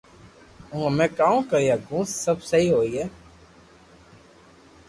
ھون ھمي ڪاو ڪري ھگو سب سھي ھوئي